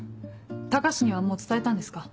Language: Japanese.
高志にはもう伝えたんですか？